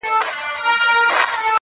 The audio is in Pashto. د رندانو له مستۍ به مځکه رېږدي-